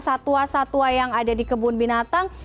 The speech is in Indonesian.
satwa satwa yang ada di kebun binatang